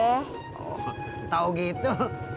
oh tau gitu